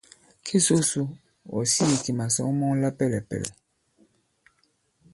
Ke so su , ɔ̀ sīī kì màsɔ̌ŋ mɔŋ la pɛlɛ̀pɛ̀lɛ̀.